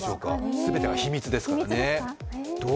すべてが秘密ですからね。